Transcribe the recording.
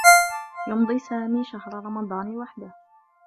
يمضي سامي شهر رمضان لوحده.